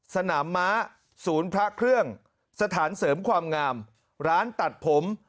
สนามม้าศูนย์พระเครื่องสถานเสริมความงามร้านตัดผม